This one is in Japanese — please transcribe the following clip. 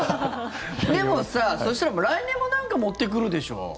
でもさ、そしたら来年もなんか持ってくるでしょう。